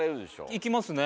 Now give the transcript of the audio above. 行きますね。